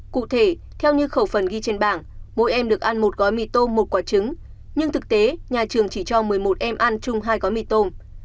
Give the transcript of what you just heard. cụ thể theo như khẩu phần ghi trên bảng mỗi em được ăn một gói mì tôm một quả trứng nhưng thực tế nhà trường chỉ cho một mươi một em ăn chung hai gói mì tôm